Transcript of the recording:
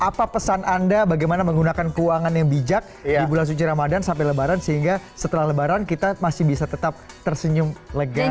apa pesan anda bagaimana menggunakan keuangan yang bijak di bulan suci ramadan sampai lebaran sehingga setelah lebaran kita masih bisa tetap tersenyum lega